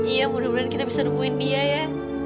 iya mudah mudahan kita bisa nemuin dia ya